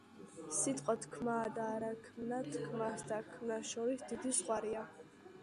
„სიტყვა თქმაა და არა ქმნა. თქმასა და ქმნას შორის დიდი ზღვარია.“